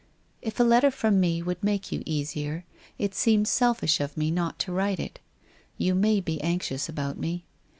If a letter from me would make you easier, it seems selfish of me not to write it You may be anxious about me?